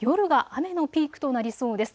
夜が雨のピークとなりそうです。